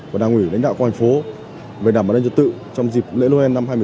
và đảng ủy đánh đạo công an thành phố về đảm bảo đảm trật tự trong dịp lễ noel năm hai nghìn một mươi chín